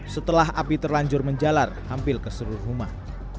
setelah api terlanjur menjalar hampir ke seluruh rumah